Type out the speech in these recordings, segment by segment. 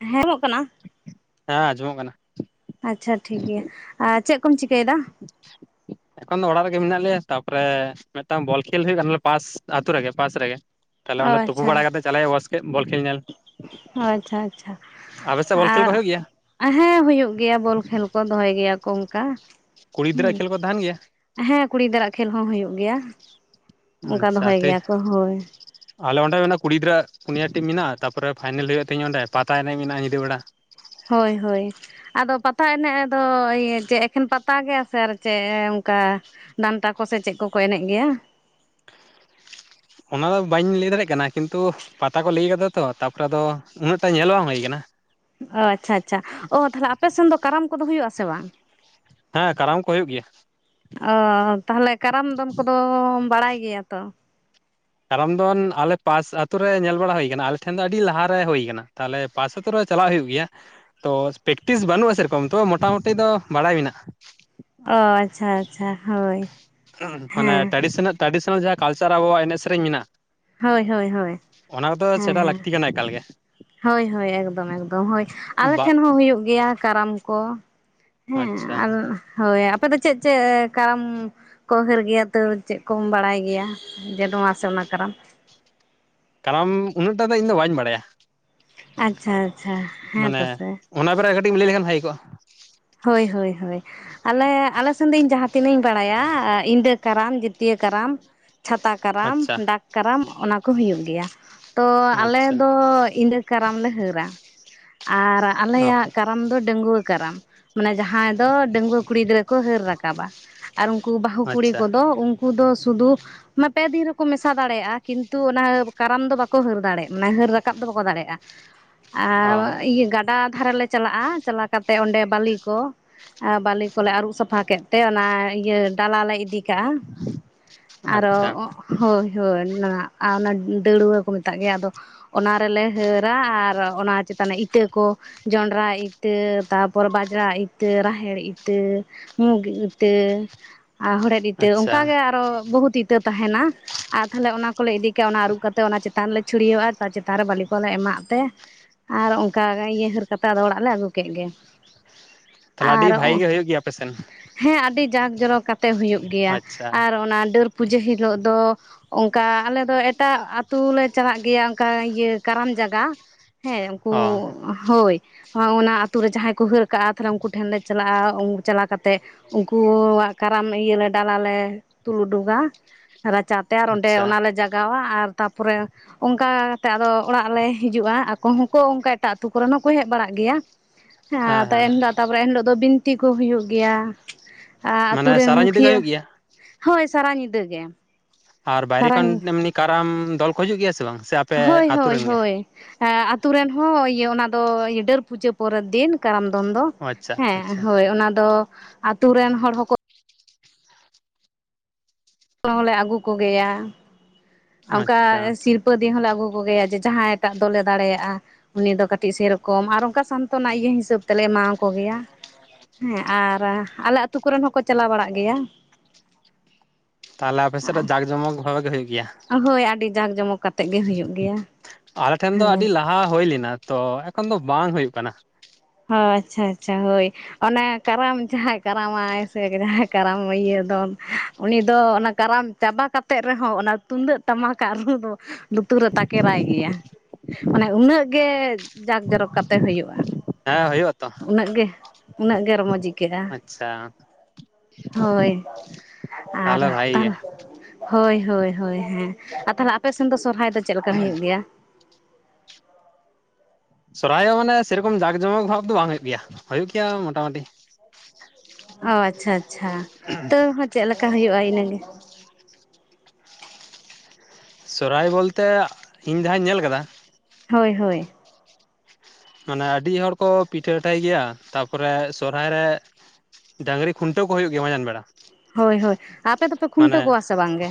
ᱦᱮᱸ ᱟᱸᱡᱚᱢᱚᱜ ᱠᱟᱱᱟ᱾ ᱦᱮᱸ ᱟᱸᱡᱚᱢᱚᱜ ᱠᱟᱱᱟ᱾ ᱟᱪᱪᱷᱟ ᱴᱷᱤᱠ ᱜᱮᱭᱟ ᱪᱮᱫ ᱠᱚᱢ ᱪᱤᱠᱟᱹᱭᱮᱫᱟ ᱮᱠᱷᱚᱱ ᱫᱚ ᱚᱲᱟᱜ ᱨᱮᱜᱮ ᱢᱮᱱᱟᱜ ᱞᱮᱭᱟ ᱛᱟᱯᱚᱨᱮ ᱢᱤᱫᱴᱟᱝ ᱵᱚᱞ ᱠᱷᱮᱞ ᱦᱩᱭᱩᱜ ᱠᱟᱱᱟ ᱯᱟᱥ ᱟᱛᱳ ᱨᱮᱜᱮ ᱯᱟᱥ ᱨᱮᱜᱮ ᱛᱟᱞᱦᱮ ᱚ ᱚᱸᱰᱮ ᱛᱩᱯᱩ ᱟᱪᱪᱷᱟ ᱵᱟᱲᱟ ᱠᱟᱛᱮ ᱪᱟᱞᱟᱜ ᱦᱩᱭᱩᱜ-ᱟ ᱵᱟᱥᱠᱮ ᱵᱚᱞ ᱠᱷᱮᱞ ᱧᱮᱞ ᱟᱪᱪᱷᱟ ᱟᱪᱪᱷᱟ ᱟᱯᱮᱮᱥᱮᱫ ᱵᱚᱞ ᱠᱷᱮᱞ ᱟᱨ ᱠᱚ ᱦᱩᱭᱩᱜ ᱜᱮᱭᱟ᱾ ᱦᱮᱸ ᱦᱮ ᱦᱩᱭᱩᱜ ᱜᱮᱭᱟ, ᱵᱚᱞ ᱠᱷᱮᱞ ᱠᱚ ᱫᱚᱦᱚᱭ ᱜᱮᱭᱟ ᱠᱚ ᱚᱱᱠᱟ᱾ ᱠᱩᱲᱤ ᱜᱤᱫᱽᱨᱟᱹᱣᱟᱼᱜ ᱦᱮᱸ ᱠᱷᱮᱞᱞ ᱠᱚ ᱛᱟᱦᱮᱱ ᱜᱮᱭᱟ? ᱦᱮᱸ ᱠᱩᱲᱤᱤᱫᱽᱨᱟᱜ ᱠᱷᱮᱞ ᱦᱚᱸ ᱦᱩᱭᱩᱜᱳ ᱜᱮᱭᱟ, ᱚᱱᱠᱟ ᱟᱪᱪᱷᱟ ᱫᱚᱦᱚᱭ ᱛᱮ ᱜᱮᱭᱟ ᱠᱚ ᱦᱳᱭ ᱟᱞᱮ ᱚᱸᱰᱮ ᱢᱮᱱᱟᱜᱼᱟ ᱠᱩᱲᱤ ᱜᱤᱫᱽᱨᱟᱹ ᱯᱩᱱᱭᱟ ᱴᱤ ᱢᱮᱱᱟᱜᱼᱟ, ᱛᱟᱯᱚᱨᱮ ᱯᱷᱟᱭᱱᱮᱞ ᱦᱩᱭᱩᱜ ᱛᱤᱧᱟᱹ ᱚᱸᱰᱮ ᱯᱟᱛᱟ ᱮᱱᱮᱡ ᱢᱮᱱᱟᱜᱼᱟ, ᱧᱤᱫᱟᱹ ᱵᱮᱲᱟ ᱾ ᱦᱳᱭ - ᱦᱳᱭ ᱟᱫᱚ ᱯᱟᱛᱟ ᱮᱱᱮᱡ ᱫᱚ ᱤᱭᱟᱹ ᱪᱮᱫ ᱮᱠᱷᱮᱱ ᱯᱟᱛᱟ ᱜᱮᱭᱟ ᱥᱮ ᱟᱨ ᱪᱮᱫ ᱚᱱᱠᱟ ᱰᱟᱱᱴᱟ ᱠᱚᱥᱮ ᱪᱮᱫ ᱠᱚᱠᱚ ᱮᱱᱮᱡ ᱜᱮᱭᱟ ᱚᱱᱟᱫᱚ ᱵᱟᱹᱧ ᱞᱟᱹᱭ ᱫᱟᱲᱮᱭᱟᱜ ᱠᱟᱱᱟ ᱠᱤᱱᱛᱩ ᱯᱟᱛᱟ ᱠᱚ ᱞᱟᱹᱭ ᱠᱟᱫᱟ ᱛᱚ ᱛᱟᱯᱚᱨᱮ ᱟᱫᱚ ᱩᱱᱟᱹᱜ ᱴᱟ ᱧᱮᱞ ᱵᱟᱝ ᱦᱩᱭᱠ ᱠᱟᱱᱟ ᱾ ᱚ ᱟᱪᱪᱷᱟ ᱟᱪᱪᱷᱟ ᱚ ᱛᱟᱦᱞᱮ ᱟᱯᱮ ᱥᱮᱱ ᱫᱚ ᱠᱟᱨᱟᱢ ᱠᱚᱫᱚ ᱦᱩᱭᱩᱜ ᱟᱥᱮ ᱵᱟᱝ? ᱦᱮᱸ ᱠᱟᱨᱟᱢ ᱠᱚ ᱦᱩᱭᱩᱜ ᱜᱮᱭᱟ ᱾ ᱚ ᱛᱟᱦᱚᱞᱮ ᱠᱟᱨᱟᱢ ᱫᱚᱱ ᱠᱚᱫᱚ ᱵᱟᱲᱟᱭ ᱜᱮᱭᱟ ᱛᱚ ᱠᱟᱨᱚᱱ ᱫᱚ ᱟᱞᱮ ᱯᱟᱥ ᱟᱹᱛᱳ ᱨᱮ ᱧᱮᱞ ᱵᱟᱲᱟ ᱦᱩᱭ ᱟᱠᱟᱱᱟ ᱟᱞᱮ ᱴᱷᱮᱱ ᱫᱚ ᱟᱹᱰᱤ ᱞᱟᱦᱟᱮ ᱦᱩᱭ ᱟᱠᱟᱱᱟ ᱛᱟᱦᱚᱞᱮ ᱯᱟᱥᱥᱚᱛᱚᱨᱚ ᱪᱟᱞᱟᱜ ᱦᱩᱭᱩᱜ ᱜᱮᱭᱟ ᱛᱚ ᱯᱮᱠᱴᱤᱥ ᱵᱟᱹᱱᱩᱜᱼᱟ ᱥᱮᱨᱚᱠᱚᱢ ᱛᱚ ᱢᱚᱴᱟᱢᱩᱴᱤ ᱫᱚ ᱵᱟᱲᱟᱭ ᱢᱮᱱᱟᱜᱼᱟ᱾ ᱚ ᱟᱪᱪᱷᱟ - ᱟᱪᱪᱷᱟ ᱦᱳᱭ ᱢᱟᱱᱮ ᱦᱮᱸ ᱴᱨᱟᱰᱤᱥᱚᱱᱟᱞ - ᱴᱨᱟᱰᱤᱥᱚᱱᱟᱞ ᱡᱟᱦᱟᱸ ᱠᱟᱞᱪᱟᱨ ᱟᱵᱚᱣᱟᱜ ᱮᱱᱮᱡ ᱥᱮᱨᱮᱧ ᱢᱮᱱᱟᱜ ᱦᱳᱭ ᱦᱳᱭ ᱦᱳᱭ ᱢᱮᱱᱟᱜᱼᱟ ᱚᱱᱟᱫᱚ ᱦᱮᱸ ᱥᱮᱴᱟ ᱦᱮᱸ ᱞᱟᱹᱠᱛᱤ ᱠᱟᱱᱟ ᱮᱠᱟᱞ ᱜᱮ᱾ ᱦᱳᱭ ᱦᱳᱭ ᱮᱠᱫᱚᱢ - ᱮᱠᱫᱚᱢ ᱦᱳᱭ ᱟᱞᱮ ᱵᱟ ᱴᱷᱮᱱ ᱦᱚᱸ ᱦᱩᱭᱩᱜ ᱜᱮᱭᱟ ᱠᱟᱨᱟᱢ ᱠᱚ, ᱦᱮᱸ ᱟᱪᱪᱷᱟ ᱟᱨ ᱦᱳᱭ ᱟᱯᱮ ᱫᱚ ᱪᱮᱫ ᱪᱮᱫ ᱠᱟᱨᱟᱢ ᱠᱚ ᱦᱟᱹᱨ ᱜᱮᱭᱟ ᱛ ᱪᱮᱫ ᱠᱚᱢ ᱵᱟᱲᱟᱭ ᱜᱮᱭᱟ ᱡᱮ ᱱᱚᱣᱟ ᱥᱮ ᱚᱱᱟ ᱠᱟᱱᱟ᱾ ᱠᱟᱨᱟᱢ ᱩᱱᱟᱹᱜ ᱴᱟᱜ ᱫᱚ ᱤᱧᱫᱚ ᱵᱟᱹᱧ ᱵᱟᱲᱟᱭᱟ᱾ ᱟᱪᱪᱷᱟ ᱟᱪᱪᱷᱟ ᱦᱮᱸ ᱛ ᱢᱟᱱᱮ ᱥᱮᱮ ᱚᱱᱟ ᱵᱮᱮ ᱠᱟᱹᱴᱤᱡ ᱞᱟᱹᱭ ᱞᱮᱠᱷᱟᱱ ᱵᱷᱟᱭ ᱠᱚᱜᱼᱟ ᱦᱳᱭ, ᱦᱳᱭ, ᱦᱳᱭ ᱟᱞᱮ ᱟᱞᱮ ᱥᱮᱱ ᱫᱚ ᱤᱧ ᱡᱟᱦᱟᱸᱛᱤᱱᱟᱹᱜ ᱤᱧ ᱵᱟᱲᱟᱭᱟ ᱤᱫᱟᱹ ᱠᱟᱨᱟᱢ, ᱡᱛᱭᱟᱹᱨ ᱠᱟᱨᱟᱢ, ᱪᱷᱟᱛᱟ ᱠᱟᱨᱟᱢ ᱟᱪᱪᱷᱟ ᱰᱟᱠ ᱠᱟᱨᱟᱢ ᱚᱱᱟ ᱠᱚ ᱦᱩᱭᱩᱜ ᱜᱮᱭᱟ ᱛᱚ ᱟᱞᱮᱚ ᱟᱪᱪᱷᱟ ᱠᱟᱨᱟᱢ ᱞᱮ ᱦᱟᱹᱨᱟ᱾ ᱟᱨ ᱚ ᱟᱞᱮᱭᱟᱜ ᱠᱟᱨᱟᱢ ᱫᱚ ᱰᱟᱺᱟᱹᱜᱩᱣᱟᱹ ᱠᱟᱨᱟᱢ ᱢᱟᱱᱮ ᱡᱟᱦᱟᱸᱭ ᱫᱚ ᱰᱟᱺᱜᱣᱟᱹ ᱠᱩᱲᱤ ᱜᱤᱫᱽᱨᱟᱹ ᱠᱚ ᱦᱟᱹᱨ ᱨᱟᱠᱟᱵᱟ᱾ ᱟᱨ ᱩᱱᱠᱩ ᱵᱟᱹᱟᱦᱩ ᱠᱩᱲᱤ ᱟᱪᱪᱷᱟ ᱠᱚᱫᱚ ᱩᱱᱠᱩ ᱫᱚ ᱥᱩᱫᱩ ᱢ ᱯᱮ ᱫᱤᱱ ᱨᱮᱠᱚ ᱢᱮᱥᱟ ᱫᱟᱲᱮᱭᱟᱜᱼᱟ ᱠᱤᱱᱛᱩ ᱚᱱᱟ ᱠᱟᱨᱟᱢ ᱫᱚ ᱵᱟᱠᱚ ᱦᱟᱹᱨ ᱫᱟᱲᱮᱭᱟᱜᱼᱟ ᱢᱟᱱᱮ ᱦᱟᱹᱨ ᱨᱟᱠᱟᱵ ᱫᱚ ᱵᱟᱠᱚ ᱫᱟᱲᱮᱭᱟᱜᱼᱟ᱾ ᱚ ᱟᱨ ᱤᱭᱟᱹ ᱜᱟᱰᱟ ᱫᱷᱟᱨᱮᱞᱮ ᱪᱟᱞᱟᱜᱼᱟ ᱪᱟᱞᱟᱣ ᱠᱟᱛᱮ ᱚᱸᱰᱮ ᱵᱟᱟᱹᱞᱤ ᱠᱚ ᱵᱟᱟᱹᱞᱤ ᱠᱚᱞᱮ ᱟᱹᱨᱩᱵ ᱥᱟᱯᱷᱟ ᱠᱮᱫ ᱛᱮ ᱚᱱᱟ ᱤᱭᱟᱹ ᱰᱟᱞᱟ ᱞᱮ ᱤᱫᱤ ᱠᱟᱼᱟ ᱟᱨᱚ ᱟᱪᱪᱷᱟ ᱦᱳᱭ ᱦᱳᱭ ᱚᱱᱟ ᱟᱨ ᱚᱱᱟ ᱫᱟᱹᱟᱹᱲᱣᱟᱹ ᱠᱚ ᱢᱮᱛᱟᱜ ᱜᱮᱭᱟ ᱟᱫᱚ, ᱚᱱᱟ ᱨᱮᱞᱮ ᱦᱟᱹᱨᱟ ᱟᱨ ᱚᱱᱟ ᱪᱮᱛᱟᱱ ᱤᱛᱟᱹ ᱠᱚ, ᱡᱚᱱᱰᱨᱟ ᱤᱛᱟᱹ ᱛᱟᱨᱯᱚᱨ ᱵᱟ ᱚᱡᱽᱨᱟ ᱤᱛᱟᱹ ᱨᱟᱦᱮᱲ ᱤᱛᱟᱹ ᱢᱩᱜᱽ ᱤᱛᱟᱹ ᱟᱨ ᱦᱚᱲᱮᱫ ᱤᱛᱟᱹ ᱟᱪᱪᱷᱟ ᱚᱱᱠᱟᱜ ᱜᱮ ᱟᱨᱚ ᱵᱚᱦᱩᱛ ᱤᱛᱟᱹ ᱛᱟᱦᱮᱱᱟ ᱟᱨ ᱛᱟᱦᱞᱮ ᱚᱱᱟ ᱠᱚᱞᱮ ᱤᱫᱤ ᱠᱼᱟ ᱚᱱᱟ ᱟᱹᱨᱩᱵ ᱠᱟ ᱠᱟᱛᱮᱮᱫ ᱚᱱᱟ ᱪᱮᱛᱟᱱ ᱨᱮᱞᱮ ᱪᱷᱩᱲᱭᱟᱹᱜᱜᱼᱟ ᱪᱮᱛᱟᱱ ᱨᱮ ᱵᱟᱹᱞᱤ ᱠᱚᱞᱮ ᱮᱢᱟᱜ ᱛᱮ, ᱟᱨ ᱚᱱᱠᱟ ᱤᱭᱟᱹᱦᱟᱹᱨ ᱠᱟᱛᱮᱮᱫ ᱟᱫᱚ ᱚᱲᱟᱜ ᱞᱮ ᱟᱹᱜᱩ ᱠᱮᱫ ᱜᱮ ᱛᱟᱦᱚᱞᱮ ᱟᱹᱰᱤ ᱟᱨ ᱵᱷᱟᱜᱤ ᱜᱮ ᱦᱩᱭᱩᱜ ᱜᱮᱭᱟ ᱟᱯᱮᱥᱮᱱ ᱦᱮᱸ ᱟᱹᱰᱤ ᱡᱟᱠ ᱡᱚᱨᱚᱠ ᱠᱟᱛᱮᱜ ᱦᱩᱭᱩᱜ ᱜᱮᱭᱟ ᱟᱪᱪᱷᱟ ᱾ ᱟᱨ ᱚᱱᱟ ᱰᱟᱹᱨ ᱯᱩᱡᱟᱹ ᱦᱤᱞᱳᱜ ᱫᱚ, ᱚᱱᱠᱟ ᱟᱞᱮ ᱫᱚ ᱮᱴᱟᱜ ᱟᱛᱩ ᱞᱮᱮ ᱪᱟᱞᱟᱜ ᱜᱮᱭᱟ ᱚᱱᱠᱟ ᱤᱭᱟᱹ ᱠᱟᱨᱟᱢ ᱡᱟᱭᱜᱟ ᱾ ᱦᱮᱸ ᱩᱱᱠᱩ ᱚ ᱦᱳᱭ ᱚᱱᱟ ᱟᱛᱩ ᱨᱮ ᱡᱟᱦᱟᱸᱭ ᱠᱚ ᱦᱟᱹᱨ ᱠᱟᱜᱼᱟ, ᱛᱟᱦᱚᱞᱮ ᱩᱱᱠᱩ ᱴᱷᱮᱱ ᱞᱮ ᱪᱟᱞᱟᱜᱼᱟ ᱾ ᱩᱱᱠᱩ ᱪᱟᱞᱟᱣ ᱠᱟᱛᱮ ᱩᱱᱠᱩᱣᱟᱜ ᱟᱨᱟᱱ ᱤᱭᱟᱹ ᱞᱮ ᱰᱟᱞᱟ ᱞᱮ ᱛᱩᱞ ᱩᱰᱩᱠᱟ ᱨᱟᱪᱟ ᱛᱮ ᱟᱨ ᱚᱸᱰᱮ ᱟᱪᱪᱷᱟ ᱚᱱᱟ ᱞᱮ ᱡᱟᱜᱟ ᱞᱟᱜᱟᱣᱟ ᱟᱨ ᱛᱟᱯᱚᱨᱮ ᱚᱱᱠᱟ ᱠᱟᱛᱮ ᱟᱫᱚ ᱚᱲᱟᱜ ᱞᱮ ᱦᱤᱡᱩᱜᱼᱟ ᱾ ᱟᱠᱚ ᱦᱚᱸᱠᱚ ᱚᱱᱠᱟ ᱮᱴᱟᱜ ᱟᱹᱛᱩ ᱠᱚᱨᱮ ᱦᱚᱸᱠᱚ ᱦᱮᱡ ᱵᱟᱲᱟᱜ ᱜᱮᱭᱟ ᱾ ᱦᱮᱸ ᱮᱱᱦᱤᱞᱳᱜ ᱛᱟᱨᱯᱚᱨ ᱮᱱᱦᱤᱞᱳᱜ ᱫᱚ ᱵᱤᱱᱛᱤ ᱠᱚ ᱦᱩᱭᱩᱜ ᱜᱮᱭᱟ ᱾ ᱟᱨ ᱟᱛᱩ ᱢᱟᱱᱮ ᱨᱮᱱ ᱥᱟᱨᱟ ᱧᱤᱫᱟᱹ ᱜᱮ ᱢᱩᱠᱷᱤᱭᱟᱹ, ᱦᱩᱭᱩᱜ ᱜᱮᱭᱟ ᱦᱳᱭ ᱥᱟᱨᱟ ᱧᱤᱫᱟᱹ ᱜᱮ᱾ ᱟᱨ ᱵᱟᱭᱨᱮ ᱥᱟᱨᱟ ᱠᱷᱚᱱ ᱧᱤ ᱮᱢᱱᱤ ᱠᱟᱨᱟᱢ ᱫᱚᱞ ᱠᱚ ᱦᱤᱡᱩᱜ ᱜᱮᱭᱟ ᱥᱮ ᱵᱟᱝ? ᱥᱮ ᱟᱯᱮ ᱦᱳᱭ ᱟᱛᱳ ᱦᱳᱭ ᱨᱮᱱ ᱜᱮ ᱦᱳᱭ ᱾ ᱟᱨ ᱟᱛᱩ ᱨᱮᱱ ᱦᱚᱸ ᱤᱭᱟᱹ ᱚᱱᱟ ᱫᱚ ᱰᱟᱹᱨ ᱯᱩᱡᱟᱹ ᱯᱚᱨᱮᱨ ᱫᱤᱱ ᱠᱟᱨᱟᱢ ᱫᱚᱱ ᱫᱚ ᱚ ᱟᱪᱪᱷᱟ ᱾ᱺᱦᱮᱸ, ᱟᱪᱪᱷᱟ ᱦᱳᱭ ᱚᱱᱟ ᱫᱚ ᱟᱛᱳ ᱨᱮᱱ ᱦᱚᱲ ᱦᱚᱸᱠᱚ ᱠᱚ ᱦᱚᱸᱞᱮ ᱟᱹᱜᱩ ᱠᱚᱜᱮᱭᱟ᱾ ᱚᱱᱠᱟ ᱟᱪᱪᱷᱟ ᱥᱤᱨᱯᱟᱹ ᱫᱤᱭᱮ ᱦᱚᱸᱞᱮ ᱟᱹᱜᱩ ᱠᱚᱜᱮᱭᱟ᱾ ᱡᱮ ᱡᱟᱦᱟᱸᱭᱴᱟᱜ ᱫᱚᱞᱮ ᱫᱟᱲᱮᱭᱟᱜᱼᱟ ᱾ ᱩᱱᱤ ᱫᱚ ᱠᱟᱹᱴᱤᱡ ᱥᱮᱨᱚᱠᱚᱢ ᱟᱨ ᱚᱱᱠᱟ ᱥᱟᱱᱛᱚᱱᱟ ᱤᱭᱟᱹ ᱦᱤᱥᱟᱹᱵᱽ ᱛᱮᱞᱮ ᱮᱢᱟ ᱟᱠᱚ ᱜᱮᱭᱟ ᱾ ᱦᱮᱸ ᱟᱨ ᱟᱞᱮ ᱟᱹᱛᱩ ᱠᱚᱨᱮᱱ ᱦᱚᱸᱠᱚ ᱪᱟᱞᱟᱣ ᱵᱟᱲᱟᱜ ᱜᱮᱭᱟ ᱾ ᱛᱟᱦᱟᱞᱮ ᱟᱯᱮ ᱥᱮᱫ ᱨᱮ ᱡᱟᱠ ᱡᱚᱢᱚᱠ ᱵᱷᱟᱵᱮ ᱜᱮ ᱦᱩᱭᱩᱜ ᱜᱮᱭᱟ? ᱦᱳᱭ ᱟᱹᱰᱤ ᱡᱟᱠ ᱡᱚᱢᱚᱠ᱾ ᱠᱟᱛᱮᱜ ᱜᱮ ᱦᱩᱭᱩᱜ ᱜᱮᱭᱟ ᱟᱞᱮ ᱴᱷᱮᱱ ᱫᱚ ᱦᱮᱸ ᱟᱹᱰᱤ ᱞᱟᱦᱟ ᱦᱩᱭ ᱞᱮᱱᱟ ᱛᱚ ᱮᱠᱷᱚᱱ ᱫᱚ ᱵᱟᱝ ᱦᱩᱭᱩᱜ ᱠᱟᱱᱟ ᱾ ᱦᱚ ᱟᱪᱪᱷᱟ ᱟᱪᱪᱷᱟ ᱦᱳᱭ᱾ ᱚᱱᱮ ᱠᱟᱨᱟᱢ ᱡᱟᱦᱟᱸᱭ ᱠᱟᱨᱟᱢᱟᱭ ᱥᱮ ᱡᱟᱦᱟᱸᱭ ᱠᱟᱨᱟᱢ ᱤᱭᱟᱹ ᱫᱚᱱ, ᱩᱱᱤ ᱫᱚ ᱚᱱᱟ ᱠᱟᱨᱟᱢ ᱪᱟᱵᱟ ᱠᱟᱛᱮᱜ ᱨᱮᱦᱚᱸ ᱚᱱᱟ ᱛᱩᱢᱫᱟᱹᱜ ᱴᱟᱢᱟᱠᱟᱜ ᱨᱩ ᱫᱚ ᱞᱩᱛᱩ ᱨᱮ ᱛᱟᱠᱮᱨᱟᱭ ᱜᱮᱭᱟ ᱾ ᱢᱟᱱᱮ ᱩᱱᱟᱹᱜ ᱜᱮ ᱡᱟᱠ ᱡᱚᱨᱚᱠ ᱠᱟᱛᱮ ᱦᱩᱭᱩᱜᱼᱟ ᱾ ᱦᱮᱸ ᱦᱩᱭᱩᱜᱼᱟ ᱾ ᱩᱱᱟᱹᱜ ᱜᱮ ᱩᱱᱟᱹᱜ ᱜᱮ ᱨᱚᱢᱚᱡᱽ ᱟᱹᱭᱠᱟᱹᱜᱼᱟ ᱾ ᱟᱪᱪᱷᱟ ᱾ ᱦᱳᱭ ᱟᱨ ᱛᱟᱦᱚᱞᱮ ᱵᱷᱟᱜᱤ ᱜᱮ ᱛᱟᱦᱞᱮ ᱦᱳᱭ ᱦᱳᱭ ᱦᱳᱭ ᱦᱮᱸ᱾ ᱟᱨ ᱛᱟᱦᱟᱞᱮ ᱟᱯᱮ ᱥᱮᱱ ᱫᱚ ᱥᱚᱨᱦᱟᱭ ᱫᱚ ᱪᱮᱫ ᱞᱮᱠᱟ ᱦᱩᱭᱩᱜ ᱜᱮᱭᱟ? ᱥᱚᱨᱦᱟᱭ ᱦᱚᱸ ᱢᱟᱱᱮ ᱥᱮᱨᱚᱠᱚᱢ ᱡᱟᱸᱠ ᱡᱚᱢᱚᱠ ᱵᱷᱟᱵ ᱫᱚ ᱵᱟᱝ ᱦᱩᱭᱩᱜ ᱜᱮᱭᱟ᱾ ᱦᱩᱭᱩᱜ ᱜᱮᱭᱟ ᱢᱚᱴᱟᱢᱩᱴᱤ᱾ ᱚ ᱟᱪᱪᱷᱟ ᱟᱪᱪᱷᱟ ᱾ ᱛᱟᱹᱣ ᱦᱚᱸ ᱪᱮᱫ ᱞᱮᱠᱟ ᱦᱩᱭᱩᱜᱼᱟ ᱤᱱᱟᱹᱜᱮ ᱾ ᱥᱚᱨᱦᱟᱭ ᱵᱚᱞᱛᱮ ᱤᱧ ᱡᱟᱦᱟᱸᱧ ᱧᱮᱞ ᱟᱠᱟᱫᱟ ᱦᱳᱭ ᱦᱳᱭ ᱾ ᱢᱟᱱᱮ ᱟᱹᱰᱤ ᱦᱚᱲ ᱠᱚ ᱯᱤᱴᱷᱟᱹ ᱞᱟᱴᱷᱟᱭ ᱜᱮᱭᱟ᱾ ᱛᱟᱯᱚᱨᱮ ᱥᱚᱨᱦᱟᱭ ᱨᱮ ᱰᱟᱹᱝᱨᱤ ᱠᱷᱩᱱᱴᱟᱹᱣ ᱠᱚ ᱦᱩᱭᱩᱜ ᱜᱮᱭᱟ ᱢᱟᱡᱟᱱ ᱵᱮᱲᱟ ᱾ ᱦᱳᱭ ᱦᱳᱭ ᱾ ᱟᱨ ᱟᱯᱮ ᱫᱚᱯᱮ ᱠᱷᱩᱱᱴᱟᱹᱣ ᱠᱚᱣᱟ ᱥᱮ ᱵᱟᱝ ᱜᱮ?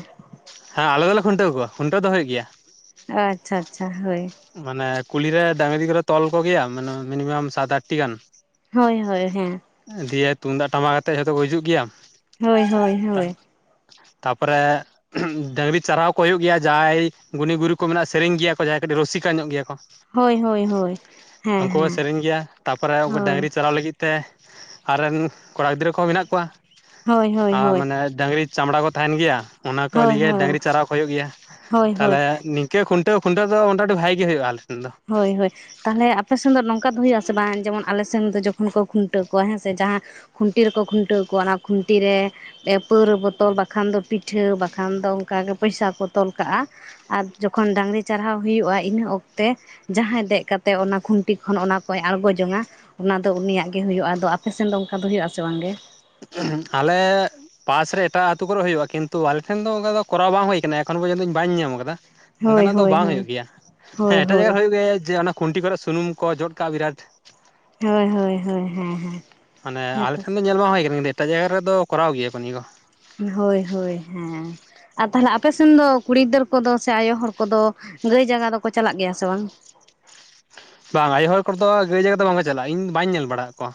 ᱦᱮᱸ ᱟᱞᱮ ᱫᱚᱞᱮ ᱠᱷᱩᱱᱴᱟᱹᱣ ᱠᱚᱣᱟ, ᱠᱷᱩᱱᱟᱹᱣ ᱫᱚ ᱦᱩᱭᱩᱜ ᱜᱮᱭᱟ ᱾ ᱚ ᱟᱪᱪᱷᱟ ᱟᱪᱪᱷᱟ ᱦᱳᱭ ᱾ ᱢᱟᱱᱮ ᱠᱩᱞᱦᱤ ᱨᱮ ᱰᱟᱝᱨᱤ ᱠᱚᱨᱮ ᱛᱚᱞ ᱠᱚᱜᱮᱭᱟ ᱢᱟᱱᱮ ᱢᱤᱱᱤᱢᱟᱢ ᱥᱟᱛ ᱟᱴᱴᱤ ᱜᱟᱱ ᱾ ᱦᱳᱭ ᱦᱳᱭ ᱦᱮᱸ᱾ ᱫᱤᱭᱮ ᱛᱩᱢᱫᱟᱜ ᱴᱟᱢᱟᱠ ᱟᱛᱮᱫ ᱡᱷᱚᱛᱚ ᱠᱚ ᱦᱤᱡᱩᱜ ᱜᱮᱭᱟ ᱾ ᱦᱳᱭ ᱦᱳᱭ ᱦᱳᱭ ᱾ ᱛᱟᱯᱚᱨᱮ ᱰᱟᱹᱝᱨᱤ ᱪᱟᱨᱦᱟᱣ ᱠᱚ ᱦᱩᱭᱩᱜ ᱜᱮᱭᱟ ᱾ ᱡᱟᱦᱟᱸᱭ ᱜᱩᱱᱤ ᱜᱩᱨᱤᱵ ᱠᱚ ᱢᱮᱱᱟᱜ ᱥᱮᱨᱮᱧ ᱜᱮᱭᱟ ᱠᱚ ᱡᱟᱦᱟᱸᱭ ᱠᱟᱹᱴᱤᱡ ᱨᱩᱥᱤᱠᱟ ᱧᱚᱜ ᱜᱮᱭᱟ ᱠᱚ ᱦᱳᱭ ᱦᱳᱭ ᱦᱳᱭ ᱾ ᱦᱮᱸ ᱩᱱᱠᱩ ᱦᱚᱸ ᱦᱮᱸ ᱥᱮᱨᱮᱧ ᱜᱮᱭᱟ᱾ ᱛᱟᱯᱚᱨᱮ ᱩᱱᱠᱩ ᱰᱟᱹᱝᱨᱤ ᱦᱳᱭ ᱪᱟᱨᱦᱟᱣ ᱞᱟᱹᱜᱤᱫ ᱛᱮ ᱟᱨ ᱨᱮᱱ ᱠᱚᱲᱟ ᱜᱤᱫᱽᱨᱟᱹ ᱠᱚᱦᱚᱸ ᱢᱮᱱᱟᱜ ᱠᱚᱣᱟ᱾ ᱦᱳᱭ ᱦᱳᱭ ᱟᱨ ᱦᱳᱭ ᱢᱟᱱᱮ ᱰᱟᱹᱝᱨᱤ ᱪᱟᱢᱲᱟ ᱠᱚ ᱛᱟᱦᱮᱱ ᱜᱮᱭᱟ᱾ ᱚᱱᱟ ᱠᱚ ᱦᱳᱭ ᱦᱳᱭ ᱞᱟᱹᱜᱤᱫ ᱮ ᱰᱟᱹᱝᱨᱤ ᱪᱟᱨᱟᱣ ᱠᱚ ᱦᱩᱭᱩᱜ ᱜᱮᱭᱟ ᱦᱳᱭ ᱦᱳᱭ ᱾ ᱦᱳᱭ ᱛᱟᱦᱟᱞᱮ ᱱᱤ ᱝᱠᱟᱹ ᱠᱷᱩᱱᱟᱹᱣ ᱠᱷᱩᱱᱴᱟᱹᱣ ᱫᱚ ᱢᱚᱴᱟᱢᱩᱴᱤ ᱵᱷᱟᱜᱮ ᱜᱮ ᱦᱩᱭᱩᱜᱼᱟ ᱟᱞᱮ ᱴᱷᱮᱱ ᱫᱚ ᱾ ᱦᱳᱭ-ᱦᱳᱭ ᱛᱟᱦᱟᱞᱮ ᱟᱯᱮ ᱥᱮᱱ ᱫᱚ ᱱᱚᱝᱠᱟ ᱫᱚ ᱦᱩᱭᱩᱜᱼᱟᱥᱮ ᱵᱟᱝ? ᱡᱮᱢᱚᱱ ᱟᱞᱮ ᱥᱮᱱ ᱫᱚ ᱡᱚᱠᱷᱚᱱ ᱠᱚ ᱠᱷᱩᱱᱴᱟᱹᱣ ᱠᱚᱣᱟ ᱦᱮᱸ ᱥᱮ ᱡᱟᱦᱟᱸ ᱼᱼ ᱠᱷᱩᱱᱴᱤ ᱨᱮᱠᱚ ᱠᱷᱩᱱᱴᱟᱹᱣ ᱠᱚᱣᱟ ᱚᱱᱟ ᱠᱷᱩᱱᱴᱤ ᱨᱮ। ᱮ ᱯᱟᱹᱣᱨᱟᱹ ᱵᱚᱛᱚᱞ ᱵᱟᱠᱷᱟᱱ ᱫᱚ ᱯᱤᱴᱷᱟᱹ ᱵᱟᱠᱷᱟᱱ ᱫᱚ ᱚᱱᱠᱟᱜᱮ ᱯᱚᱭᱥᱟ ᱠᱚ ᱛᱚᱞ ᱠᱟᱜᱼᱟ। ᱟᱨ ᱡᱚᱠᱷᱚᱱ ᱰᱟᱝᱨᱤ ᱪᱟᱨᱦᱟᱣ ᱦᱩᱭᱩᱜᱼᱟ ᱤᱱᱟᱹ ᱚᱠᱛᱚ ᱛᱮ ᱡᱟᱦᱟᱸᱭ ᱫᱮᱡ ᱠᱟᱛᱮ ᱚᱱᱟ ᱠᱷᱩᱱᱴᱤ ᱠᱷᱚᱱ ᱚᱱᱟ ᱠᱚᱭ ᱟᱬᱜᱚ ᱡᱚᱝᱟ᱾ ᱚᱱᱟ ᱫᱚ ᱩᱱᱤᱭᱟᱜ ᱜᱮ ᱦᱩᱭᱩᱜᱼᱟ। ᱟᱫᱚ ᱟᱯᱮ ᱥᱮᱱ ᱫᱚ ᱚᱱᱠᱟ ᱫᱚ ᱦᱩᱭᱩᱜ ᱟᱥᱮ ᱵᱟᱝ ᱜᱮ? ᱟᱞᱮ ᱼᱼ ᱯᱟᱥ ᱨᱮ ᱮᱴᱟᱜ ᱟᱹᱛᱩ ᱠᱚᱨᱮ ᱦᱩᱭᱩᱜᱼᱟ᱾ ᱠᱤᱱᱛᱩ ᱟᱞᱮ ᱴᱷᱮᱱ ᱫᱚ ᱚᱱᱠᱟ ᱫᱚ ᱠᱚᱨᱟᱣ ᱵᱟᱝ ᱦᱩᱭ ᱟᱠᱟᱱᱟ᱾ ᱮᱠᱷᱚᱱ ᱯᱚᱨᱡᱚᱱᱛᱚ ᱤᱧ ᱵᱟᱧ ᱧᱟᱢ ᱟᱠᱟᱫᱟ। ᱦᱳᱭ ᱚᱱᱠᱟᱱᱟᱜ ᱫᱚ ᱦᱳᱭ ᱵᱟᱝ ᱦᱳᱭ ᱦᱩᱭᱩᱜ ᱜᱮᱭᱟ᱾ ᱦᱳᱭ ᱦᱮᱸ ᱮᱴᱟᱜ ᱡᱟᱭᱜᱟ ᱦᱳᱭ ᱨᱮ ᱦᱩᱭᱩᱜ ᱜᱮᱭᱟ ᱡᱮ ᱚᱱᱟ ᱠᱷᱩᱱᱴᱤ ᱠᱚᱨᱮ ᱥᱩᱱᱩᱢ ᱠᱚ ᱡᱚᱫ ᱠᱟᱜᱼᱟ ᱵᱤᱨᱟᱴ। ᱦᱳᱭ-ᱦᱳᱭ-ᱦᱳᱭ ᱦᱮᱸᱻᱦᱮᱸ ᱢᱟᱱᱮ ᱟᱞᱮ ᱴᱷᱮᱱ ᱫᱚ ᱧᱮᱞ ᱢᱟ ᱦᱩᱭ ᱠᱟᱱᱟ ᱠᱤᱱᱛᱩ ᱮᱴᱟᱜ ᱡᱟᱭᱜᱟ ᱨᱮᱫᱚ ᱠᱚᱨᱟᱣ ᱜᱮᱭᱟ ᱠᱚ ᱱᱤᱭᱟᱹ ᱠᱚ ᱦᱳᱭ-ᱦᱳᱭ ᱦᱮᱸᱻ ᱟᱨ ᱛᱟᱦᱚᱞᱮ ᱟᱯ ᱥᱮᱱ ᱫᱚ ᱠᱩᱲᱤ ᱜᱤᱫᱟᱹᱨ ᱠᱚᱫᱚ ᱥᱮ ᱟᱭᱳ ᱦᱚᱲ ᱠᱚᱫᱚ ᱜᱟᱹᱭ ᱡᱟᱜᱟ ᱫᱚᱠᱚ ᱪᱟᱞᱟᱜ ᱜᱮᱭᱟ ᱥᱮ ᱵᱟᱝ ᱵᱟᱝ ᱟᱭᱳ ᱦᱚᱲ ᱠᱚᱫᱚ ᱜᱟᱹᱭ ᱡᱟᱜᱟᱣ ᱫᱚ ᱵᱟᱝᱠᱚ ᱪᱟᱞᱟᱜᱼᱟ ᱤᱧ ᱵᱟᱹᱧ ᱧᱮᱞ ᱵᱟᱲᱟ ᱟᱠᱟᱫ ᱠᱚᱣᱟ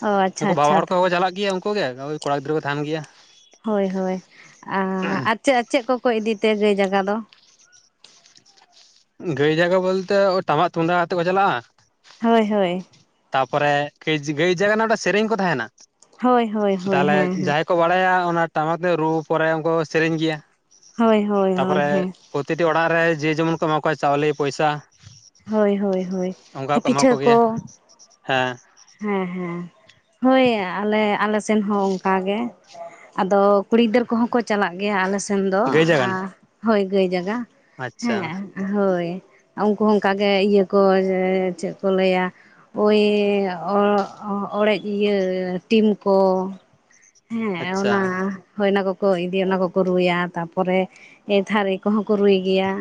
ᱚ ᱟᱪᱪᱷᱟ ᱩᱱᱠᱩ ᱵᱟᱵᱟ ᱟᱪᱪᱷᱟ ᱦᱚᱲ ᱠᱚᱠᱚ ᱪᱟᱞᱟᱜ ᱜᱮᱭᱟ ᱩᱱᱠᱩᱜ ᱜᱮ ᱠᱚᱲᱟ ᱜᱤᱫᱽᱨᱟᱹ ᱠᱚ ᱛᱟᱦᱮᱱ ᱜᱮᱭᱟ᱾ ᱦᱳᱭ-ᱦᱳᱭ ᱟᱨ ᱪᱮᱫ-ᱪᱮᱫ ᱠᱚᱠᱚ ᱤᱫᱤᱛᱮ ᱜᱟᱹᱭ ᱡᱟᱜᱟ ᱫᱚ? ᱜᱟᱹᱭ ᱡᱟᱜᱟᱣ ᱵᱚᱞᱛᱮ ᱴᱟᱢᱟᱠ, ᱛᱩᱢᱫᱟᱜ ᱟᱛᱮᱫ ᱠᱚ ᱪᱟᱞᱟᱜᱼᱟ᱾ ᱦᱳᱭ-ᱦᱳᱭ ᱛᱟᱯᱚᱨᱮ ᱜᱟᱹᱭ ᱡᱟᱜᱟᱣ ᱨᱮᱱᱟᱜ ᱥᱮᱨᱮᱧ ᱠᱚ ᱛᱟᱦᱮᱱᱟ ᱦᱳᱭ ᱦᱳᱭ ᱦᱳᱭ ᱛᱟᱦᱚᱞᱮ ᱦᱮᱸ ᱡᱟ ᱦᱮᱸ ᱦᱟᱸᱭ ᱥᱮᱠᱚ ᱵᱟᱲᱟᱭᱟ ᱚᱱᱟ ᱴᱟᱢᱟᱠ ᱨᱩ ᱯᱚᱨᱮ ᱩᱱᱠᱩ ᱥᱮᱨᱮᱧ ᱜᱮᱭᱟ ᱦᱳᱭ ᱦᱳᱭ ᱦᱳᱭ ᱛᱟᱯᱚᱨᱮ ᱦᱮᱸ ᱯᱨᱚᱛᱤᱴᱤ ᱚᱲᱟᱜ ᱨᱮ ᱡᱮ ᱡᱮᱢᱚᱱ ᱠᱚ ᱮᱢᱟ ᱠᱚᱣᱟ ᱪᱟᱣᱞᱮ, ᱯᱚᱭᱥᱟ ᱦᱳᱭ ᱦᱳᱭ ᱦᱳᱭ ᱚᱱᱠᱟᱠᱚ ᱮᱢᱟ ᱠᱚᱜᱮᱭᱟ᱾ ᱦᱮᱸ ᱦᱮᱸᱻᱦᱮᱸ ᱦᱳᱭ ᱟᱞᱮ-ᱟᱞᱮ ᱥᱮᱱ ᱦᱚᱸ ᱚᱱᱠᱟᱜ ᱜᱮ ᱟᱫᱚ ᱠᱩᱲᱤ ᱜᱤᱫᱟᱹᱨ ᱠᱚᱦᱚᱸ ᱠᱚ ᱪᱟᱞᱟᱜ ᱜᱮᱭᱟ ᱟᱞᱮ ᱥᱮᱱ ᱫᱚ ᱜᱟᱹᱭ ᱡᱟᱜᱟᱱ ᱦᱳᱭ ᱜᱟᱹᱭ ᱡᱟᱜᱟ ᱟᱪᱪᱷᱟ ᱦᱮᱸ ᱦᱳᱭ ᱚᱱᱠᱟᱹᱜᱮ ᱤᱭᱟᱹ ᱠᱚ ᱪᱮᱫ ᱠᱚ ᱞᱟᱹᱭᱟ ᱳᱭ ᱚᱜ ᱚᱲᱮᱡ ᱤᱭᱟᱹ ᱴᱤᱱ ᱠᱚ ᱦᱮᱸᱻ ᱟᱪᱪᱷᱟ ᱚᱱᱟ ᱦᱚᱭ ᱚᱱᱟ ᱠᱚᱠᱚ ᱤᱫᱤᱭᱟ ᱚᱱᱟ ᱠᱚᱠᱚ ᱨᱩᱭᱟ ᱛᱟᱯᱚᱨᱮ ᱛᱷᱟᱹᱨᱤ ᱠᱚᱦᱚᱸ ᱠᱚ ᱨᱩᱭ ᱜᱮᱭᱟ᱾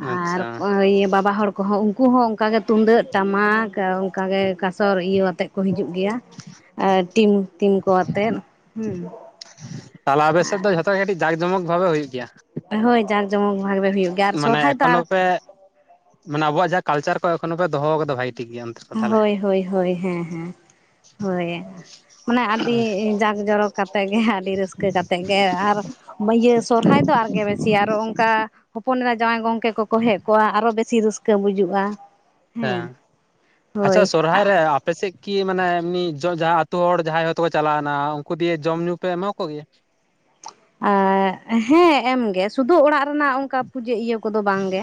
ᱟᱨ ᱟᱪᱷᱟ ᱤᱭᱟᱹ ᱵᱟᱵᱟ ᱦᱚᱲ ᱠᱚᱦᱚᱸ ᱩᱱᱠᱩ ᱦᱚᱸ ᱚᱱᱠᱟᱜᱮ ᱛᱩᱢᱫᱟᱹᱜ ᱴᱟᱢᱟᱠ ᱚᱱᱠᱟᱜᱮ ᱠᱟᱥᱚᱨ ᱤᱭᱟᱹ ᱟᱛᱮᱜ ᱠᱚ ᱦᱤᱡᱩᱜ ᱜᱮᱭᱟ᱾ ᱮ ᱴᱤᱱ-ᱴᱤᱱ ᱠᱚ ᱟᱛᱮᱫ ᱦᱮᱸ ᱛᱟᱦᱞᱮ ᱟᱵᱮᱥᱮᱫ ᱫᱚ ᱡᱷᱚᱛᱚ ᱜᱮ ᱠᱟᱹᱴᱤᱡ ᱡᱟᱠ-ᱡᱚᱢᱚᱠ ᱵᱷᱟᱵᱮ ᱦᱩᱭᱩᱜ ᱜᱮᱭᱟ᱾ ᱦᱳᱭ ᱡᱟᱸᱠ-ᱡᱚᱢᱚᱠ ᱵᱷᱟᱜᱮ ᱦᱩᱭᱩᱜ ᱜᱮᱭᱟ ᱟᱨ ᱢᱟᱱᱮ ᱥᱚᱨᱦᱟᱭ ᱫᱚ ᱮᱠᱷᱚᱱᱳ ᱟᱨ ᱯᱮ ᱢᱟᱱᱮ ᱟᱵᱚ ᱡᱟᱦᱟᱸ ᱠᱟᱞᱟᱨ ᱠᱚ ᱮᱠᱷᱚᱱ ᱯᱮ ᱫᱚᱦᱚ ᱠᱟᱫᱟ ᱵᱷᱟᱹᱜᱤ ᱴᱤᱠ ᱜᱮᱭᱟ᱾ ᱫᱚ ᱛᱟᱦᱚᱞᱮ ᱦᱳᱭ-ᱦᱳᱭ- ᱦᱳᱭ ᱦᱮᱸᱻᱦᱮᱸ ᱦᱳᱭ ᱢᱟᱱᱮ ᱟᱹᱰᱤ ᱡᱟᱠ-ᱡᱚᱨᱚᱠ ᱠᱟᱛᱮᱫ ᱜᱮ ᱟᱹᱰᱤ ᱨᱟᱹᱥᱠᱟᱹ ᱠᱟᱛᱮᱫ ᱜᱮ ᱟᱨ ᱤᱭᱟᱹ ᱥᱚᱨᱦᱟᱭ ᱫᱚ ᱟᱨᱜᱮ ᱵᱮᱥᱤᱭᱟ ᱟᱨᱚ ᱚᱱᱠᱟ ᱦᱚᱯᱚᱱᱨᱟ ᱡᱟᱶᱟᱭ ᱜᱚᱝ ᱠᱮ ᱠᱚᱠᱚ ᱦᱮᱡ ᱠᱚᱜᱼᱟ ᱟᱨᱚ ᱵᱮᱥᱤ ᱨᱟᱹᱥᱠᱟᱹ ᱵᱩᱡᱩᱜᱼᱟ᱾ ᱦᱮᱸᱻ ᱦᱮᱸ ᱟᱪᱷᱟ ᱦᱳᱭ ᱥᱚᱨᱦᱟᱭ ᱨᱮ ᱟᱯᱮᱥᱮᱜ ᱠᱤ ᱢᱟᱱᱮ ᱮᱢᱤᱭ ᱟᱹᱛᱩ ᱦᱚᱲ ᱡᱟᱦᱟᱸᱭ ᱦᱚᱭᱛᱚᱠᱚ ᱪᱟᱞᱟᱣᱱᱟ ᱩᱱᱠᱩ ᱫᱤᱭᱮ ᱡᱚᱢ ᱧᱩ ᱯᱮ ᱮᱢᱟ ᱠᱚᱜᱮᱭᱟ? ᱦᱮᱸᱻ ᱮᱢᱜᱮ ᱥᱩᱫᱷᱩ ᱚᱲᱟᱜ ᱨᱮᱱᱟᱜ ᱚᱱᱠᱟ ᱯᱩᱡᱟᱹ ᱤᱭᱟᱹ ᱠᱚ ᱩᱱᱠᱩ ᱫᱚ ᱵᱟᱝᱜᱮ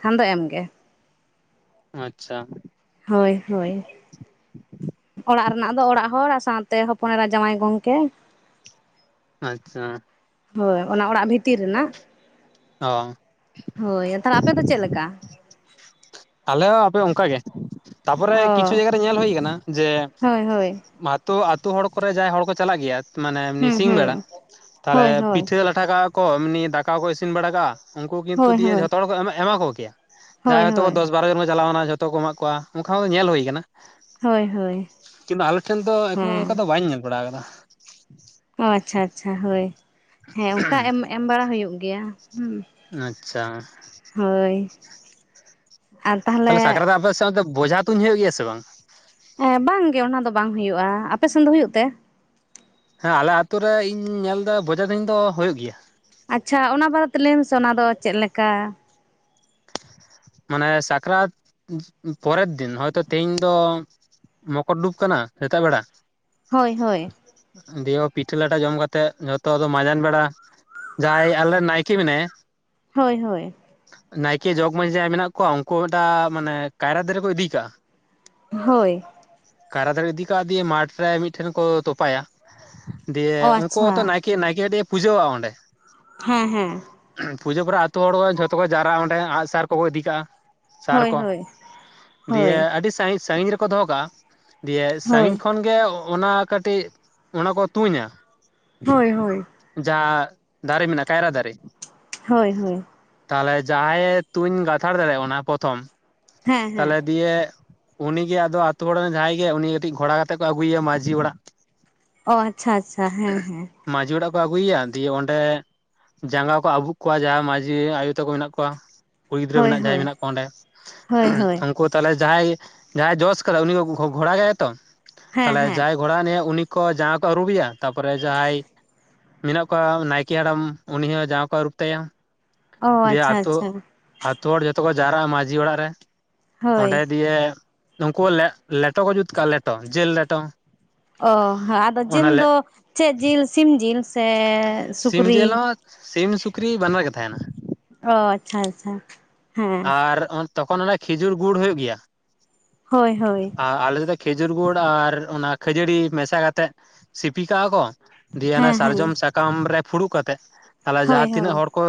ᱠᱷᱟᱱ ᱫᱚ ᱮᱢᱜᱮ ᱟᱪᱷᱟ᱾ ᱦᱳᱭ ᱦᱳᱭ᱾ ᱚᱲᱟᱜ ᱨᱮᱱᱟᱜ ᱫᱚ ᱚᱲᱟᱜ ᱦᱚᱲ ᱟᱨ ᱥᱟᱶᱛᱮ ᱦᱚᱯᱚᱱ ᱮᱨᱟ ᱡᱟᱶᱟᱭ ᱜᱚᱢᱠᱮ ᱟᱪᱷᱟ᱾ ᱦᱳᱭ ᱚᱱᱟ ᱚᱲᱟᱜ ᱵᱷᱤᱛᱤᱨ ᱨᱮᱱᱟᱜ ᱚ᱾ ᱦᱳᱭ ᱛᱟᱦᱞᱮ ᱟᱯᱮ ᱫᱚ ᱪᱮᱫ ᱞᱮᱠᱟ? ᱟᱞᱮ ᱦᱚᱸ ᱟᱯᱮ ᱚᱝᱠᱟ ᱜᱮ ᱛᱟᱯᱚᱨᱮ ᱠᱤᱪᱷᱩ ᱚ ᱡᱟᱭᱜᱟᱮ ᱧᱮᱞ ᱦᱩᱭ ᱟᱠᱟᱱᱟ ᱡᱮ ᱦᱳᱭ ᱦᱳᱭ᱾ ᱛᱚ ᱟᱛᱩ ᱦᱚᱲ ᱠᱚᱨᱮ ᱡᱟᱦᱟᱸᱭ ᱦᱚᱲ ᱠᱚ ᱪᱟᱞᱟᱜ ᱜᱮᱭᱟ ᱢᱟᱱᱮ ᱢ ᱦᱩᱸ ᱥᱤᱧ ᱵᱮᱲᱟ ᱦᱩᱸ ᱛᱟᱦᱮ ᱦᱳᱭ ᱦᱳᱭ ᱯᱤᱴᱷᱟᱹ ᱞᱟᱴᱷᱟ ᱠᱟᱜᱼᱟ ᱠᱚ ᱮᱢᱤ ᱫᱟᱠᱟ ᱠᱚ ᱤᱥᱤᱱ ᱵᱟᱲᱟ ᱠᱟᱜᱼᱟ ᱩᱝᱠᱩ ᱠᱤᱱᱛᱩ ᱦᱳᱭ ᱫᱤᱭᱮ ᱦᱳᱭ ᱡᱷᱚᱛᱚ ᱦᱚᱲ ᱠᱚ ᱮᱢᱟ ᱠᱚᱜᱮᱭᱟ᱾ ᱦᱳᱭ ᱦᱳᱭ᱾ ᱫᱚᱥ ᱵᱟᱨ ᱡᱚᱱ ᱠᱚ ᱪᱟᱞᱟᱣ ᱱᱟ ᱡᱷᱚᱛᱚ ᱠᱚ ᱮᱢᱟᱜ ᱠᱚᱣᱟ ᱚᱝᱠᱟ ᱦᱚ ᱧᱮᱞ ᱦᱩᱭ ᱠᱟᱱᱟ᱾ ᱦᱳᱭ ᱦᱳᱭ ᱠᱤᱝᱵᱟ ᱟᱞᱮ ᱴᱷᱮᱱ ᱫᱚ ᱮᱠᱷᱚᱱᱳ ᱚᱝᱠᱟ ᱦᱮᱸ ᱫᱚ ᱵᱟᱹᱧ ᱧᱮᱞ ᱵᱟᱲᱟ ᱠᱟᱫᱟ᱾ ᱚ ᱟᱪᱪᱷᱟ ᱟᱪᱪᱷᱟ ᱦᱳᱭ ᱦᱮᱸ ᱚᱝᱠᱟ ᱮᱢ ᱵᱟᱲᱟ ᱦᱩᱭᱩᱜ ᱜᱮᱭᱟ ᱦᱩᱸ᱾ ᱟᱪᱪᱷᱟ᱾ ᱦᱳᱭ᱾ ᱛᱟᱦᱚᱞᱮ ᱥᱟᱠᱨᱟᱛ ᱨᱮ ᱟᱯᱮ ᱚᱱᱛᱮ ᱵᱚᱡᱷᱟ ᱛᱩᱧ ᱦᱩᱭᱩᱜ ᱜᱮᱭᱟ ᱥᱮ ᱵᱟᱝ? ᱮᱸ ᱵᱟᱝ ᱜᱮ ᱚᱱᱟ ᱫᱚ ᱵᱟᱝ ᱦᱩᱭᱩᱜᱼᱟ ᱟᱯᱮ ᱥᱮᱱ ᱫᱚ ᱦᱩᱭᱩᱜ ᱛᱮ? ᱦᱮᱸ ᱟᱞᱮ ᱟᱛᱳ ᱨᱮ ᱤᱧ ᱧᱮᱞ ᱫᱟ ᱵᱚᱡᱷᱟ ᱛᱩᱧ ᱫᱚ ᱦᱩᱭᱩᱜ ᱜᱮᱭᱟ ᱾ ᱟᱪᱪᱷᱟ ᱚᱱᱟ ᱵᱟᱨᱮ ᱛᱮ ᱞᱟᱹᱭ ᱢᱮᱥᱮ ᱚᱱᱟ ᱫᱚ ᱪᱮᱫ ᱞᱮᱠᱟ? ᱢᱟᱱᱮ ᱥᱟᱠᱨᱟᱛ ᱯᱚ-ᱯᱚ ᱯᱚᱨᱮᱨ ᱫᱤᱱ ᱦᱚᱭᱛᱳ ᱛᱮᱦᱤᱧ ᱫᱚ ᱢᱚᱠᱚᱨ ᱰᱩᱵ ᱠᱟᱱᱟ ᱥᱮᱛᱟᱜ ᱵᱮᱲᱟ ᱦᱳᱭ ᱦᱳᱭ᱾ ᱫᱤᱭᱮ ᱯᱤᱴᱷᱟᱹ ᱞᱟᱴᱷᱟ ᱡᱚᱢ ᱠᱟᱛᱮᱜ ᱡᱷᱚᱛᱚ ᱟᱫᱚ ᱢᱟᱡᱟᱱ ᱵᱮᱲᱟ ᱡᱟᱦᱟᱸᱭ ᱟᱞᱮ ᱱᱟᱭᱠᱮ ᱢᱮᱱᱟᱭᱟ ᱦᱳᱭ ᱦᱳᱭ᱾ ᱱᱟᱭᱠᱮ ᱡᱚᱜᱽ ᱢᱟᱺᱡᱷᱤ ᱡᱟᱦᱟᱸᱭ ᱢᱮᱱᱟᱜ ᱠᱚᱣᱟ ᱩᱱᱠᱩ ᱢᱤᱫᱴᱟᱜ ᱢᱟᱱᱮ ᱠᱟᱭᱨᱟ ᱫᱟᱨᱮ ᱠᱚ ᱤᱫᱤ ᱠᱟᱜᱼᱟ ᱾ ᱦᱳᱭ᱾ ᱠᱟᱭᱨᱟ ᱫᱟᱨᱮ ᱤᱫᱤ ᱠᱟᱜ ᱫᱤᱭᱮ ᱢᱟᱴᱷ ᱨᱮ ᱢᱤᱫᱴᱷᱮᱱ ᱠᱚ ᱛᱚᱯᱟᱭᱟ ᱫᱤᱭᱮ ᱚ ᱩᱱᱠᱩ ᱟᱪᱪᱷᱟ ᱦᱚᱸᱛᱚ ᱱᱟᱭ ᱠᱮ ᱱᱟᱭᱠᱮ ᱠᱟᱴᱤᱡ ᱮ ᱯᱩᱡᱟᱹᱣᱟᱜ-ᱟ ᱚᱸᱰᱮ ᱾ ᱦᱮᱸ ᱦᱮᱸ᱾ ᱯᱩᱡᱟᱹ ᱯᱚᱨᱮ ᱟᱹᱛᱩ ᱦᱚᱲ ᱠᱚ ᱡᱷᱚᱛᱚ ᱠᱚ ᱡᱟᱣᱨᱟᱜᱼᱟ ᱚᱸᱰᱮ ᱟᱸᱜᱥᱟᱨ ᱠᱚᱠᱚ ᱤᱫᱤ ᱠᱟᱜᱼᱟ ᱾ ᱥᱟᱨ ᱦᱳᱭ ᱠᱚ, ᱦᱳᱭ ᱦᱳᱭ ᱫᱤᱭᱮ ᱟᱹᱰᱤ ᱥᱟᱜᱤᱧ ᱥᱟᱹᱜᱤᱧ ᱨᱮᱠᱚ ᱫᱚᱦᱚ ᱠᱟᱜᱼᱟ, ᱫᱤᱭᱮ ᱥᱟᱺᱜᱤᱧ ᱦᱳᱭ ᱠᱷᱚᱱ ᱜᱮ ᱚᱱᱟ ᱠᱟᱹᱴᱤᱡ ᱚᱱᱟ ᱠᱚ ᱛᱩᱧᱟ᱾ ᱦᱳᱭ ᱦᱳᱭ᱾ ᱡᱟᱸ ᱫᱟᱨᱮ ᱢᱮᱱᱟᱜᱼᱟ ᱠᱟᱭᱨᱟ ᱫᱟᱨᱮ ᱦᱳᱭ ᱦᱳᱭ᱾ ᱛᱟᱦᱚᱞᱮ ᱡᱟᱦᱟᱸᱭᱮ ᱛᱩᱧ ᱜᱟᱛᱷᱟᱲ ᱫᱟᱲᱮᱭᱟᱜ-ᱟ ᱚᱱᱟ ᱯᱨᱚᱛᱷᱚᱢ, ᱦᱮᱸ ᱦᱮᱸ ᱛᱟᱦᱞᱮ ᱫᱤᱭᱮ ᱩᱱᱤᱜᱮ ᱟᱫᱚ ᱟᱛᱳ ᱦᱚᱲ ᱨᱮᱱ ᱡᱟᱦᱟᱸᱭ ᱜᱮ ᱩᱱᱤ ᱠᱟᱹᱴᱤᱡ ᱜᱷᱚᱲᱟ ᱠᱟᱛᱮᱜ ᱠᱚ ᱟᱹᱜᱩᱮᱭᱟ ᱢᱟᱺᱡᱷᱤ ᱚᱲᱟᱜ ᱾ ᱚ ᱟᱪᱪᱷᱟ ᱟᱪᱪᱷᱟ ᱦᱮᱸ ᱦᱮᱸ᱾ ᱢᱟᱺᱡᱷᱤ ᱚᱲᱟᱜ ᱠᱚ ᱟᱹᱜᱩᱭ ᱭᱟ ᱫᱤᱭᱮ ᱚᱸᱰᱮ ᱡᱟᱸᱜᱟ ᱠᱚ ᱟᱵᱩᱜ ᱠᱚᱣᱟ ᱡᱟᱦᱟᱸᱭ ᱢᱺᱡᱷᱤ ᱟᱭᱳ ᱛᱟᱠᱚ ᱢᱮᱱᱟᱜ ᱠᱚᱣᱟ ᱠᱩᱲᱤ ᱜᱤᱫᱽᱨᱟᱹ ᱦᱳᱭ ᱢᱮᱱᱟᱜ ᱡᱟᱦᱟᱸᱭ ᱦᱳᱭ ᱢᱮᱱᱟᱜ ᱠᱚᱣᱟ ᱚᱸᱰᱮ ᱦᱳᱭ ᱦᱳᱭ ᱩᱱᱠᱩ ᱛᱟᱦᱞᱮ ᱡᱟᱦᱟᱸᱟᱭ ᱡᱟᱦᱟᱸᱟᱭ ᱡᱚᱥ ᱠᱟᱫᱟ ᱩᱱᱤ ᱜᱷᱚ ᱜᱷᱚᱲᱟᱭᱟ ᱛᱚ? ᱦᱮᱸ ᱦᱮᱸ ᱜᱷᱚᱲᱟᱱᱮ ᱩᱱᱤ ᱠᱚ ᱡᱟᱸᱜᱟ ᱠᱚ ᱟᱹᱨᱩᱵᱮᱭᱟ ᱛᱟᱯᱚᱨᱮ ᱡᱟᱦᱟᱸᱭ ᱢᱮᱱᱟᱜ ᱠᱚᱣᱟ ᱱᱟᱭᱠᱮ ᱦᱟᱲᱟᱢ ᱩᱱᱤ ᱦᱚᱸ ᱡᱟᱸᱜᱟ ᱠᱚ ᱟᱹᱨᱩᱵ ᱛᱟᱭᱟ ᱚ ᱫᱤᱭᱮ ᱟᱪᱪᱷᱟ ᱟᱹᱛᱩᱳ ᱟᱪᱪᱷᱟ ᱟᱹᱛᱩ ᱦᱚᱲ ᱡᱷᱚᱛᱚ ᱠᱚ ᱡᱟᱣᱨᱟᱜᱼᱟ ᱢᱟᱺᱡᱷᱤ ᱚᱲᱟᱜ ᱨᱮ, ᱚᱸᱰᱮ ᱦᱳᱭ ᱫᱤᱭᱮ ᱱᱩᱠᱩ ᱞᱮ ᱞᱮᱴᱚ ᱠᱚ ᱡᱩᱛ ᱠᱟᱜᱼᱟ ᱞᱮᱴᱚ ᱡᱤᱞ ᱞᱮᱴᱚ, ᱚ ᱟᱫᱚ ᱡᱤᱞ ᱚᱱᱟ ᱫᱚ ᱪᱮᱫ ᱡᱤᱞ ᱥᱤᱢ ᱡᱤᱞ? ᱥᱮ ᱥᱤᱢ ᱡᱮᱞ ᱥᱩᱠᱨᱤ ᱦᱚᱸ ᱥᱤᱢ-ᱥᱩᱠᱨᱤ ᱵᱟᱱᱟᱨ ᱜᱮ ᱛᱟᱦᱮᱸᱱᱟ ᱾ ᱚ ᱟᱪᱪᱷᱟ ᱟᱪᱪᱷᱟ ᱦᱮᱸ᱾ ᱟᱨ ᱛᱚᱠᱷᱚᱱ ᱚᱱᱮ ᱠᱷᱤᱡᱩᱨ ᱜᱩᱲ ᱦᱩᱭᱩᱜ ᱜᱮᱭᱟ, ᱦᱳᱭ ᱦᱳᱭ ᱟᱨ ᱟᱞᱮ ᱥᱮᱫᱚ ᱠᱷᱮᱡᱩᱨ ᱜᱩᱲ ᱟᱨ ᱚᱱᱟ ᱠᱷᱟᱹᱡᱟᱹᱲᱤ ᱢᱮᱥᱟ ᱠᱟᱛᱮᱜ ᱥᱤᱯᱤ ᱠᱟᱜᱼᱟ ᱠᱚ, ᱫᱤᱭᱮ ᱟᱱᱟ ᱦᱮᱸ ᱥᱟᱨᱡᱚᱢ ᱦᱮᱸ ᱥᱟᱠᱟᱢ ᱨᱮ ᱯᱷᱩᱲᱩᱜ ᱠᱟᱛᱮᱜ ᱛᱟᱞᱦᱮ ᱦᱳᱭ ᱡᱟᱦᱟᱸᱛᱤᱱᱟᱹᱜ ᱦᱳᱭ ᱦᱚᱲ ᱠᱚ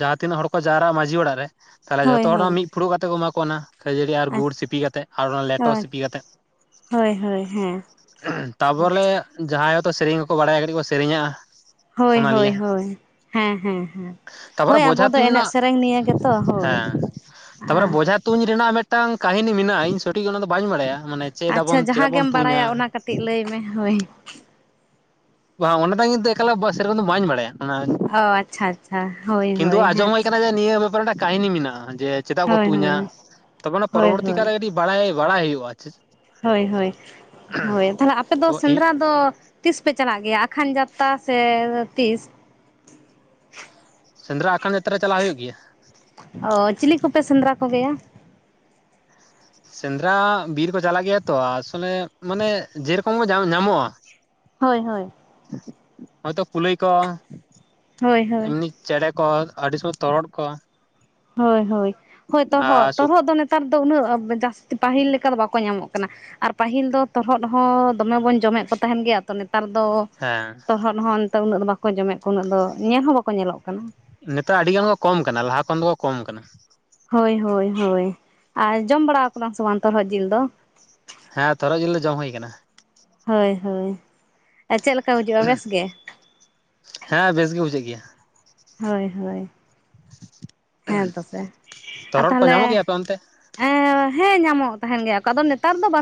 ᱡᱟᱦᱟᱸ ᱛᱤᱱᱟᱹᱜ ᱦᱚᱲ ᱠᱚ ᱡᱟᱣᱨᱟᱜᱼᱟ ᱢᱟᱺᱡᱷᱤ ᱚᱲᱟᱜ ᱨᱮ ᱛᱟᱦᱚᱞᱮ ᱡᱷᱚᱛᱚ ᱦᱳᱭ ᱦᱚᱲ ᱦᱳᱭ ᱢᱤᱫ ᱯᱷᱩᱲᱩᱜ ᱠᱟᱛᱮ ᱠᱚ ᱮᱢᱟ ᱠᱚ ᱚᱱᱟ᱾ ᱠᱷᱟᱹᱡᱟᱹᱲᱤ ᱟᱨ ᱜᱩᱲ ᱥᱤᱯᱤ ᱠᱟᱛᱮᱜ ᱟᱨ ᱚᱱᱟ ᱞᱮᱴᱚ ᱦᱳᱭ ᱥᱤᱯᱤ ᱠᱟᱛᱮᱜ᱾ ᱦᱳᱭ ᱦᱳᱭ ᱦᱮᱸ ᱛᱟᱵᱚᱞᱮ ᱟᱪᱪᱷᱟ ᱡᱟᱦᱟᱸᱭ ᱦᱚᱛᱚ ᱥᱮᱨᱮᱧ ᱦᱚᱸᱠᱚ ᱵᱟᱲᱟᱭᱟ ᱠᱟᱹᱴᱤᱡ ᱠᱚ ᱥᱮᱨᱮᱧᱟᱜᱼᱟ᱾ ᱦᱳᱭ ᱚᱱᱟ ᱞᱤᱭᱮ ᱦᱳᱭ ᱦᱳᱭ ᱦᱮᱸ ᱦᱮᱸ ᱦᱮᱸ᱾ ᱛᱟᱯᱚᱨᱮ ᱦᱳᱭ ᱟᱵᱚ ᱵᱚᱡᱷᱟ ᱫᱚ ᱛᱩᱧ ᱮᱱᱮᱡ ᱨᱮᱱᱟᱜ ᱥᱮᱨᱮᱧ ᱱᱤᱭᱮ ᱜᱮᱛᱚ ᱦᱳᱭ ᱦᱮᱸ ᱟ ᱛᱟᱯᱚᱨᱮ ᱵᱚᱡᱷᱟ ᱛᱩᱧ ᱨᱮᱱᱟᱜ ᱢᱤᱫᱴᱟᱝ ᱠᱟᱦᱤᱱᱤ ᱢᱮᱱᱟᱜᱼᱟ ᱤᱧ ᱥᱚᱴᱷᱤᱠ ᱚᱱᱟ ᱫᱚ ᱵᱟᱹᱧ ᱵᱟᱲᱟᱭᱟ ᱢᱟᱱᱮ ᱪᱮᱫ ᱟᱵᱚᱱ ᱪᱮᱫᱟᱜ ᱵᱚᱱ ᱛᱩᱧᱟ᱾ ᱴᱤᱡ ᱞᱟᱹᱭᱢᱮ ᱦᱳᱭ᱾ ᱵᱟᱝ ᱚᱱᱟ ᱫᱚ ᱠᱤᱱᱛᱩ ᱮᱠᱟᱞᱮ ᱥᱮᱨᱚᱠᱚᱢ ᱫᱚ ᱵᱟᱧ ᱵᱟᱲᱟᱭᱟ ᱾ ᱚ ᱟᱪᱪᱷᱟ ᱟᱪᱪᱷᱟ ᱦᱳᱭ ᱠᱤᱱᱛᱩ ᱦᱳᱭ ᱟᱸᱡᱚᱢ ᱦᱩᱭ ᱦᱮᱸᱛᱚ᱾ ᱟᱠᱟᱱᱟ ᱡᱮ ᱱᱤᱭᱟᱹ ᱵᱮᱯᱟᱨ ᱨᱮᱱᱟᱜ ᱠᱟᱹᱦᱤᱱᱤ ᱢᱮᱱᱟᱜᱼᱟ, ᱡᱮ ᱪᱮᱫᱟᱜ ᱠᱚ ᱦᱳᱭ ᱦᱳᱭ ᱛᱩᱸᱧᱟ ᱛᱚᱵᱮ ᱚᱱᱟ ᱦᱳᱭ ᱯᱚᱨᱚᱵᱚᱨᱛᱤ ᱦᱳᱭ ᱠᱟᱞᱨᱮ ᱠᱟᱹᱴᱤᱪ ᱵᱟᱲᱟᱭ ᱵᱟᱲᱟᱭ ᱦᱩᱭᱩᱜᱼᱟ ᱪᱮᱫ ᱦᱳᱭ ᱦᱳᱭ ᱦᱳᱭ ᱛᱟᱦᱞᱮ ᱟᱯᱮ ᱫᱚ ᱛᱚ ᱤᱧ ᱥᱮᱸᱫᱽᱨᱟ ᱫᱚ ᱛᱤᱥ ᱯᱮ ᱪᱟᱞᱟᱜ ᱜᱮᱭᱟ ᱟᱠᱷᱟᱱ ᱡᱟᱛᱛᱟ ᱥᱮ ᱛᱤᱥ? ᱥᱮᱸᱫᱽᱨᱟ ᱟᱠᱷᱟᱱ ᱡᱟᱛᱨᱟ ᱨᱮ ᱪᱟᱞᱟᱜ ᱦᱩᱭᱩᱜ ᱜᱮᱭᱟ᱾ ᱚᱻ ᱪᱤᱞᱤ ᱠᱚᱯᱮ ᱥᱮᱸᱫᱽᱨᱟ ᱠᱚ ᱜᱮᱭᱟ? ᱥᱮᱸᱫᱽᱨᱟ ᱵᱤᱨ ᱠᱚ ᱪᱟᱞᱟᱜ ᱜᱮᱭᱟ ᱛᱚ ᱟᱥᱚᱞᱮ ᱢᱟᱱᱮ ᱡᱮ ᱨᱚᱠᱚᱢ ᱧᱟᱢᱚᱜᱼᱟ ᱦᱳᱭ ᱦᱳᱭ᱾ ᱦᱳᱭᱛᱚ ᱠᱩᱞᱩᱞᱟᱹᱭ ᱠᱚ ᱦᱳᱭ ᱦᱳᱭ ᱮᱢᱱᱤ ᱪᱮᱬᱮ ᱠᱚ ᱟᱹᱰᱤ ᱥᱚᱢᱚᱭ ᱛᱚᱨᱚᱫ ᱠᱚ ᱦᱳᱭ ᱦᱳᱭ ᱦᱳᱭ ᱟᱨ ᱛᱚᱨᱦᱚᱫ ᱥᱩᱠ ᱛᱚᱨᱦᱚᱫ ᱫᱚ ᱱᱮᱛᱟᱨ ᱫᱚ ᱩᱱᱟᱹᱜ ᱡᱟᱹᱥᱛᱤ ᱯᱟᱹᱦᱤᱞ ᱞᱮᱠᱟ ᱫᱚ ᱵᱟᱠᱚ ᱧᱟᱢᱚᱜ ᱠᱟᱱᱟ᱾ ᱟᱨ ᱯᱟᱹᱦᱤᱞ ᱫᱚ ᱛᱚᱨᱦᱚᱫ ᱦᱚᱸ ᱫᱚᱢᱮ ᱵᱚᱱ ᱡᱚᱢᱮᱫ ᱠᱚ ᱛᱟᱦᱮᱸᱱ ᱜᱮᱭᱟ ᱛᱚ ᱱᱮᱛᱟᱨ ᱫᱚ ᱦᱮᱸ᱾ ᱛᱚᱨᱦᱚᱫ ᱦᱚᱸ ᱱᱮᱛᱟᱨ ᱩᱱᱟᱹᱜ ᱫᱚ ᱵᱟᱠᱚ ᱡᱚᱢᱮᱫ ᱠᱚᱣᱟ ᱩᱱᱟᱹᱜ ᱫᱚ ᱧᱮᱞ ᱦᱚᱸ ᱵᱟᱠᱚ ᱧᱮᱞᱚᱜ ᱠᱟᱱᱟ᱾ ᱱᱮᱛᱟᱨ ᱟᱹᱰᱤ ᱜᱟᱱ ᱠᱚ ᱠᱚᱢ ᱠᱟᱱᱟ ᱞᱟᱦᱟ ᱠᱷᱚᱱ ᱫᱚᱠᱚ ᱠᱚᱢ ᱠᱟᱱᱟ᱾ ᱦᱳᱭ ᱦᱳᱭ ᱦᱳᱭ ᱟᱨ ᱡᱚᱢ ᱵᱟᱲᱟ ᱠᱟᱫᱟ ᱥᱮ ᱵᱟᱝ ᱛᱚᱨᱦᱚᱫ ᱡᱤᱞ ᱫᱚ᱾ ᱦᱮᱸ ᱛᱚᱨᱦᱚᱫ ᱡᱤᱞ ᱫᱚ ᱡᱚᱢ ᱦᱩᱭ ᱠᱟᱱᱟ᱾ ᱦᱳᱭ ᱦᱳᱭ ᱟᱨ ᱪᱮᱫ ᱞᱮᱠᱟ ᱵᱩᱡᱷᱟᱜᱼᱟ ᱵᱮᱥ ᱜᱮ? ᱦᱮᱸ ᱵᱮᱥ ᱜᱮ ᱵᱩᱡᱷᱟᱹᱜ ᱜᱮᱭᱟ᱾ ᱦᱳᱭ ᱦᱳᱭ ᱦᱮᱸ ᱛᱚ ᱥᱮ ᱟᱨ ᱛᱚᱨᱦᱚᱫ ᱠᱚ ᱛᱟᱦᱞᱮ ᱧᱟᱢᱚᱜ ᱜᱮᱭᱟ ᱟᱯᱮ ᱚᱱᱛᱮ ᱮᱸ ᱦᱮᱸ ᱧᱟᱢᱚᱜ ᱛᱟᱦᱮᱸᱱ ᱜᱮᱭᱟ ᱠᱚ ᱟᱫᱚ ᱱᱮᱛᱟᱨ ᱫᱚ ᱵᱟ